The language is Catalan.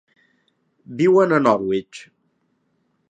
Viuen a Norwich.